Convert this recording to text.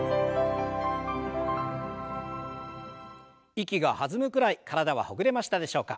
息が弾むくらい体はほぐれましたでしょうか。